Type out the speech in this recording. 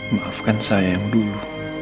maafkan saya yang dulu